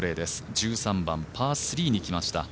１３番、パー３にきました。